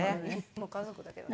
もう家族だけどね。